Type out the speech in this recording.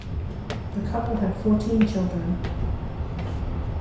The couple had fourteen children.